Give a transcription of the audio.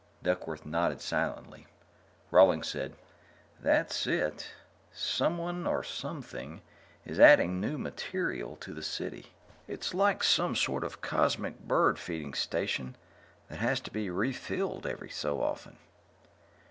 Duckworth nodded silently. Rawlings said: "That's it. Someone or something is adding new material to the City. It's like some sort of cosmic bird feeding station that has to be refilled every so often."